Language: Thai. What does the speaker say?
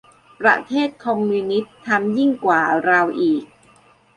ประเทศคอมมิวนิสต์ทำยิ่งกว่าเราอีก